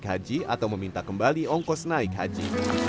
apakah naik haji atau meminta kembali ongkos naik haji